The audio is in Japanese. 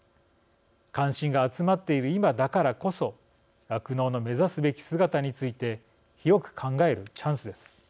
関心が集まっている今だからこそ酪農の目指すべき姿について広く考えるチャンスです。